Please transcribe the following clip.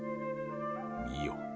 見よ。